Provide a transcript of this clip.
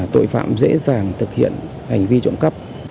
tội phạm dễ dàng thực hiện hành vi trộm cắp